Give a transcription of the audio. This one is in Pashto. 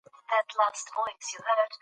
قاضي وویل چې قانون باید په ټولو یو شان وي.